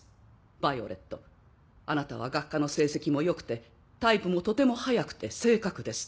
ヴァイオレットあなたは学科の成績も良くてタイプもとても速くて正確です。